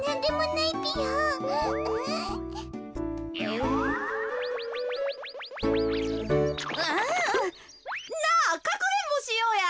なあかくれんぼしようや。